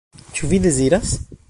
Ĉu vi deziras?